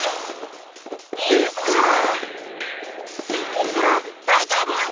ピッコラだいじょうぶ？